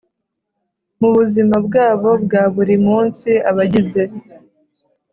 Mu buzima bwabo bwa buri munsi abagize